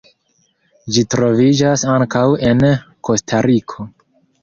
Ĝi troviĝas ankaŭ en Kostariko.